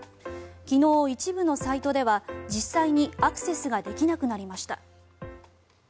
昨日、一部のサイトでは実際にアクセスができなくなりました。